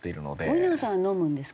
森永さんは飲むんですか？